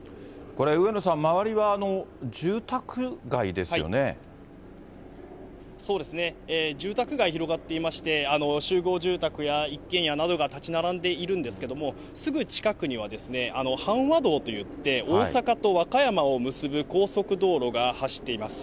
これ、上野さん、そうですね、住宅街広がっていまして、集合住宅や一軒家などが建ち並んでいるんですけれども、すぐ近くには、阪和道といって、大阪と和歌山を結ぶ高速道路が走っています。